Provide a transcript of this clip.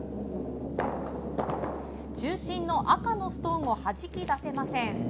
中心の赤のストーンをはじき出せません。